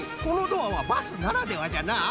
このドアはバスならではじゃな。